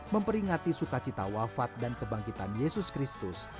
memperingati sukacita wafat dan kebangkitan yesus kristus